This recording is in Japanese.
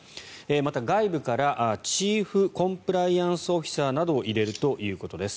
また外部からチーフ・コンプライアンス・オフィサーなどを入れるということです。